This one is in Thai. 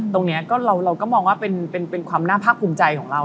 ตรงนี้เราก็มองว่าเป็นความน่าภาคภูมิใจของเรา